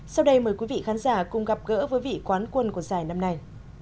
sau đây mời quý vị khán giả cùng gặp gỡ với vị quán quân của giải năm nay